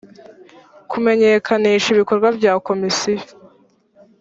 kumenyekanisha ibikorwa bya komisiyo